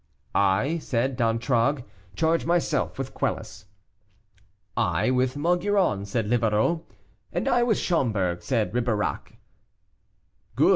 "I," said D'Antragues, "charge myself with Quelus." "I with Maugiron," said Livarot. "And I with Schomberg," said Ribeirac. "Good!"